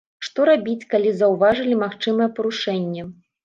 Што рабіць, калі заўважылі, магчымае парушэнне?